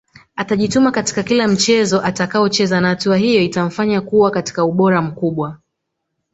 Atajituma katika kila mchezo atakaocheza na hatua hiyo itamfanya kuwa katika ubora mkubwa